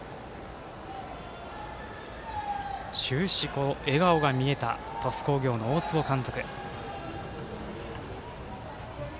終始、笑顔が見えた鳥栖工業の大坪監督。